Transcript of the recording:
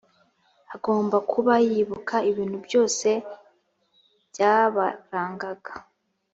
agomba kuba yibuka ibintu byose byabarangaga